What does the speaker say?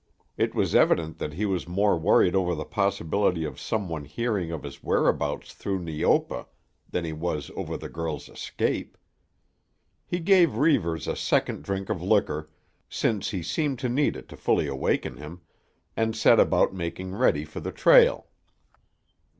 It was evident that he was more worried over the possibility of some one hearing of his whereabouts through Neopa than he was over the girl's escape. He gave Reivers a second drink of liquor, since he seemed to need it to fully awaken him, and set about making ready for the trail.